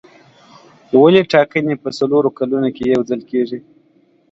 ولې ټاکنې په څلورو کلونو کې یو ځل کېږي.